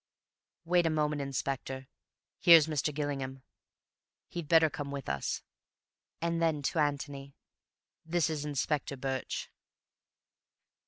"Wait a moment, Inspector. Here's Mr. Gillingham. He'd better come with us." And then to Antony, "This is Inspector Birch."